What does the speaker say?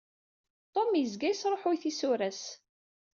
Tum yezga yesṛuḥuy tisura-s.